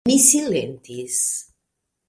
Mi silentis.